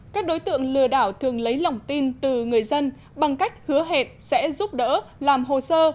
các đối tượng lừa đảo thường lấy lòng tin từ người dân bằng cách hứa hẹn sẽ giúp đỡ làm hồ sơ